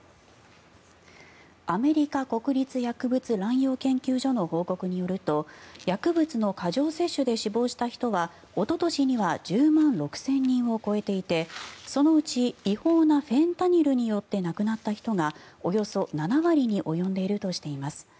アメリカ国立薬物乱用研究所の報告によると薬物の過剰摂取で死亡した人はおととしには１０万６０００人を超えていてそのうち違法なフェンタニルによって亡くなった人がおよそ７割に及んでいるとしています。